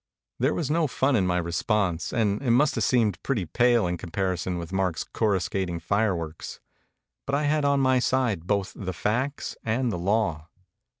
There was no fun in my response and it must have seemed pretty pale in comparison with Mark's corruscating fireworks; but I had on my side both the facts and the law.